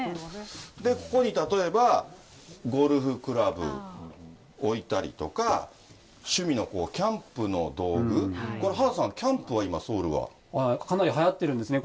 ここに例えば、ゴルフクラブ置いたりとか、趣味のキャンプの道具、これ原田さん、キャンプは、かなりはやってるんですね。